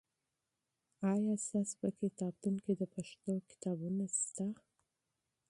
آیا ستاسې په کتابتون کې پښتو کتابونه سته؟